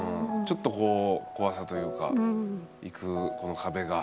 ちょっとこう怖さというか行くこの壁が。